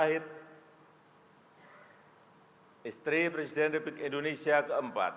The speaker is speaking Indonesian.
istri presiden republik indonesia ke empat